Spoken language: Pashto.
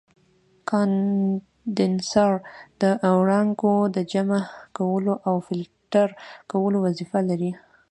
کاندنسر د وړانګو د جمع کولو او فلټر کولو وظیفه لري.